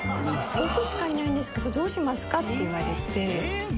「僕しかいないんですけどどうしますか？」って言われて。